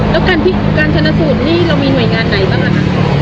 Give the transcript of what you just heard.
แล้วการชนะสูตรนี่เรามีหน่วยงานไหนบ้างคะ